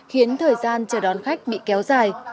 khiến thời gian chờ đón khách bị kéo dài